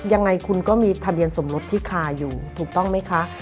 ยังไงคุณก็มีทะเบียนสมรสที่คาอยู่ถูกต้องไหมคะ